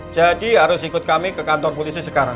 jadi harus ikut kami ke kantor polisi sekarang